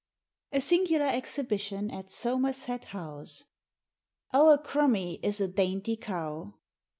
A SINGULAR EXHIBITION AT SOMERSET HOUSE. "Our Crummie is a dainty cow."